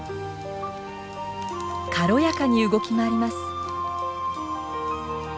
軽やかに動き回ります。